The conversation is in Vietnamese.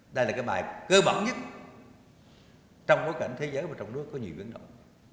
đây là cái bài cơ bẩn nhất trong nối cảnh thế giới và trong đối có nhiều vấn đồng